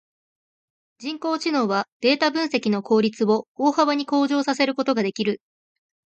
人工知能はデータ分析の効率を大幅に向上させることができる。